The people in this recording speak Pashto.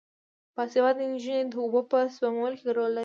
باسواده نجونې د اوبو په سپمولو کې رول لري.